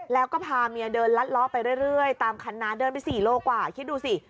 แล้วก็พาเมียเดินลัดล้อไปเรื่อยตามคันนาเดินไป๔โลกว่าคิดดูสิ